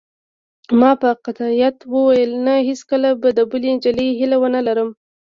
ما په قاطعیت وویل: نه، هیڅکله به د بلې نجلۍ هیله ونه لرم.